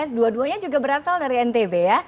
tapi ya dua duanya juga berasal dari ntb ya